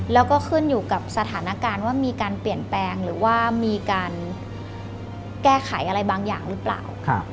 แล้วก็ขึ้นอยู่กับสถานการณ์ว่ามีการเปลี่ยนแปลงหรือว่ามีการแก้ไขอะไรบางอย่างหรือเปล่า